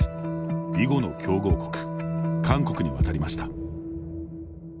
囲碁の強豪国韓国に渡りました。